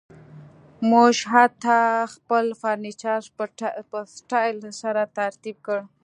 موږ حتی خپل فرنیچر په سټایل سره ترتیب کړ